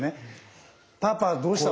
パパどうした？